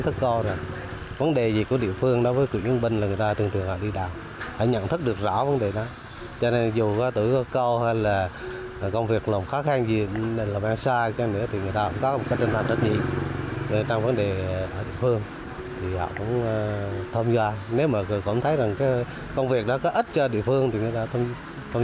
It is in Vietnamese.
tổng thống tổng thống tổng thống tổng thống tổng thống tổng thống tổng thống